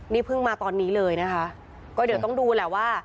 นี่เพิ่งมาตอนนี้เลยนะคะก็เดี๋ยวต้องดูแหละว่า